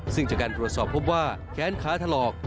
ซึ่งจากการตรวจสอบพบว่าแค้นค้าถลอก